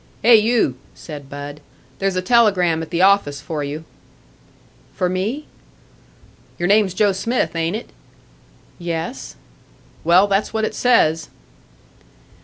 "Hey, you," said Bud. "There's a telegram at the office for you." "For me?" "Your name's Joe Smith, ain't it?" "Yes." "Well, that's what it says."